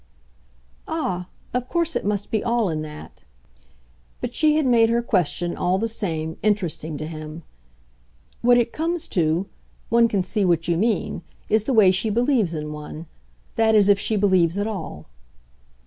"Ah, of course it must be all in that." But she had made her question, all the same, interesting to him. "What it comes to one can see what you mean is the way she believes in one. That is if she believes at all."